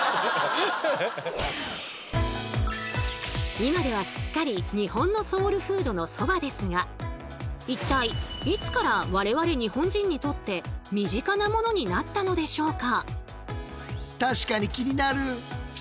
今ではすっかり日本のソウルフードのそばですが一体いつから我々日本人にとって身近なものになったのでしょうか？